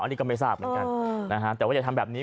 อันนี้ก็ไม่ทราบเหมือนกันนะฮะแต่ว่าอย่าทำแบบนี้